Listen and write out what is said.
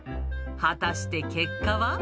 果たして結果は。